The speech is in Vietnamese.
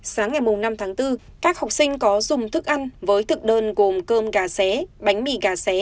sáng ngày năm tháng bốn các học sinh có dùng thức ăn với thực đơn gồm cơm gà xé bánh mì gà xé